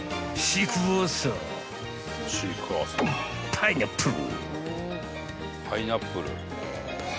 ［パイナップル］